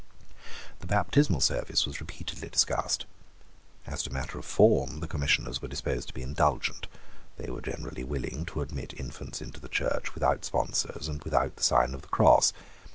The baptismal service was repeatedly discussed. As to matter of form the Commissioners were disposed to be indulgent. They were generally willing to admit infants into the Church without sponsors and without the sign of the cross.